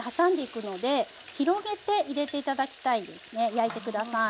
焼いて下さい。